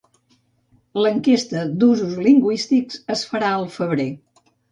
L'enquesta d'usos lingüístics es farà al febrer.